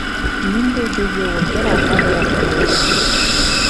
Ниндәй бейеү ул, бер алға, бер артҡа йөрөйһөң?